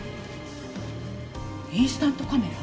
インスタントカメラ？